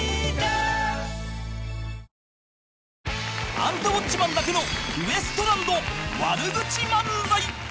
『アンタウォッチマン！』だけのウエストランド悪口漫才